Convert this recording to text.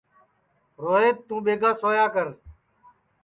روہیت توں ٻیگا سویا کر